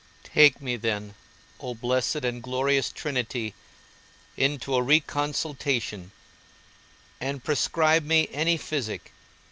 Take me, then, O blessed and glorious Trinity, into a reconsultation, and prescribe me any physic.